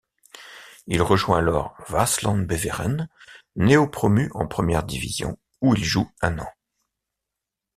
Il rejoint alors Waasland-Beveren, néo-promu en première division, où il joue un an.